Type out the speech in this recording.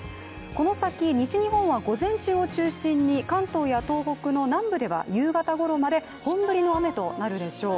この先、西日本は午前中を中心に関東や東北の南部では夕方ごろまで本降りの雨となるでしょう。